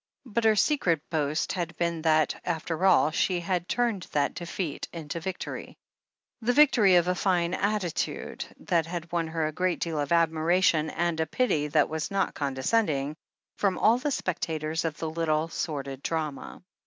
But her secret boast had been that, after all, she had turned that defeat into victory. The victory of a fine attitude, that had won her a great deal of admiration and a pity that was not condescending, from all the spectators of the little, sordid drama.